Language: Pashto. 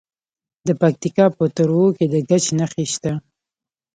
د پکتیکا په تروو کې د ګچ نښې شته.